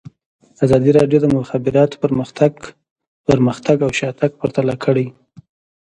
ازادي راډیو د د مخابراتو پرمختګ پرمختګ او شاتګ پرتله کړی.